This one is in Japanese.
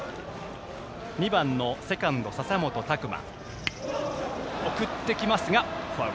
２番のセカンド笹本琢真。